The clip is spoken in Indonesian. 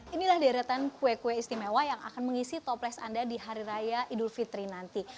inilah deretan kue kue istimewa yang akan mengisi toples anda di hari raya idul fitri nanti